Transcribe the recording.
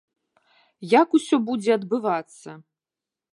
Як усё будзе адбывацца?